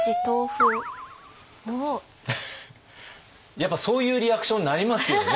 やっぱそういうリアクションになりますよね。